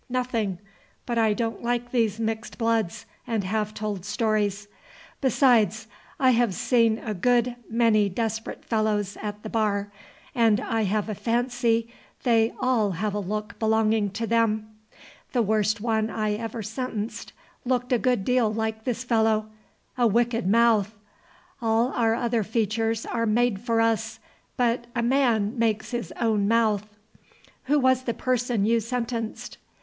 "Nothing. But I don't like these mixed bloods and half told stories. Besides, I have seen a good many desperate fellows at the bar, and I have a fancy they all have a look belonging to them. The worst one I ever sentenced looked a good deal like this fellow. A wicked mouth. All our other features are made for us; but a man makes his own mouth." "Who was the person you sentenced?"